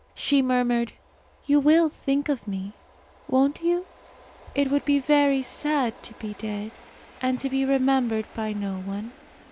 She murmured, "You will think of me, won't you? It would be very sad to be dead, and to be remembered by no one.